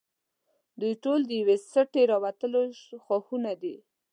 دوی ټول د یوې سټې راوتلي ښاخونه دي.